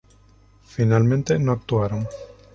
Finalmente no actuaron.